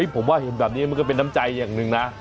ผมว่าเห็นแบบนี้มันก็เป็นน้ำใจอย่างหนึ่งนะ